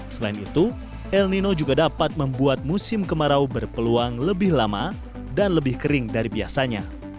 selain itu el nino juga dapat membuat musim kemarau berpeluang lebih lama dan lebih kering dari biasanya